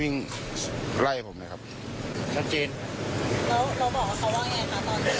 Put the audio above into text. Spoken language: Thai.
วิ่งหนีอย่างเดียว